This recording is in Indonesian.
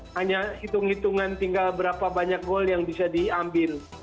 hanya hitung hitungan tinggal berapa banyak gol yang bisa diambil